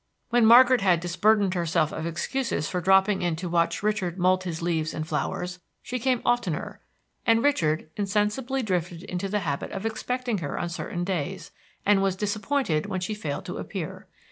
When Margaret had disburdened herself of excuses for dropping in to watch Richard mold his leaves and flowers, she came oftener, and Richard insensibly drifted into the habit of expecting her on certain days, and was disappointed when she failed to appear.